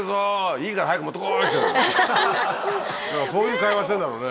「いいから早く持ってこい！」。そういう会話してんだろうね。